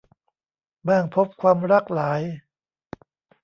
บ้างพบความรักหลาย